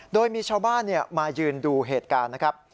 โดยมีชาวบ้านมายืนดูเหตุการณ์นะครับ